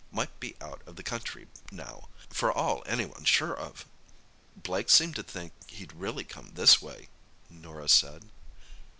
Might be out of the country now, for all anyone's sure of." "Blake seemed to think he'd really come this way;" Norah said.